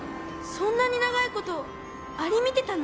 そんなにながいことアリみてたの？